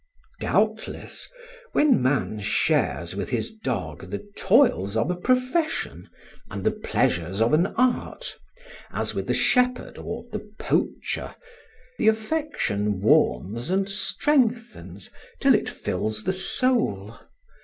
Doubtless, when man shares with his dog the toils of a profession and the pleasures of an art, as with the shepherd or the poacher, the affection warms and strengthens till it fills the soul.